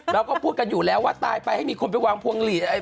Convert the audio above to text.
เราก็พูดกันอยู่แล้วว่าตายไปให้มีคนไปวางพวงหลีดอะไร